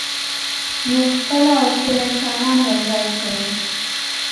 موږ خپله او ټول انسانان یو ځای کوو.